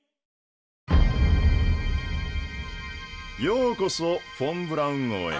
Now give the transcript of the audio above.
ようこそフォン・ブラウン号へ。